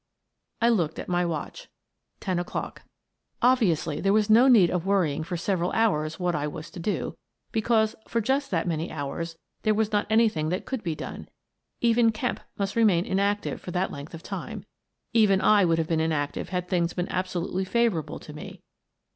I looked at my watch: ten o'clock. Obviously, I Resign I5i there was no need of worrying for several hours what I was to do, because, for just that many hours, there was not anything that could be done. Even Kemp must remain inactive for that length of time, — even I would have been inactive had things been absolutely favourable to me.